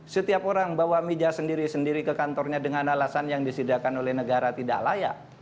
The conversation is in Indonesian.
setiap orang bawa meja sendiri sendiri ke kantornya dengan alasan yang disediakan oleh negara tidak layak